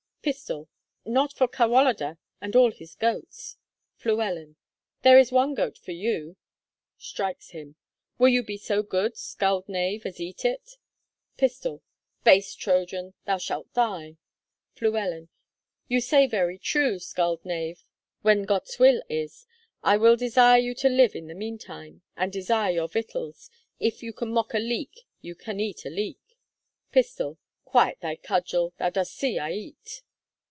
Pist. Not for Cadwallader, and all his goats. Flu. There is one goat for you. [Strikes him.] Will you be so good, scald knave, as eat it? Pist. Base Trojan, thou shalt die. Flu. You say very true, scald knave, when Got's will is: I will desire you to live in the meantime, and eat your victuals.... If you can mock a leek you can eat a leek.... Pist. Quiet thy cudgel; thou dost see, I eat.